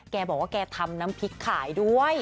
แกบอกว่าแกทำน้ำพริกขายด้วย